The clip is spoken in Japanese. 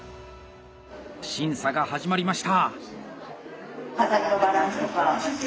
審査が始まりました。